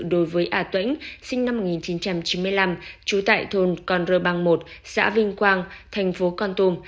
đối với a tuyênh sinh năm một nghìn chín trăm chín mươi năm trú tại thôn con rơ bang một xã vinh quang tp con tum